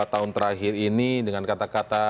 dua tahun terakhir ini dengan kata kata